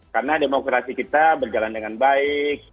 karena demokrasi kita berjalan dengan baik